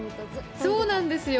そうなんですよ。